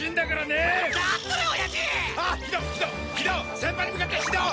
先輩に向かってヒドッ！